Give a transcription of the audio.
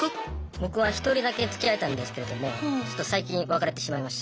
僕は１人だけつきあえたんですけれどもちょっと最近別れてしまいました。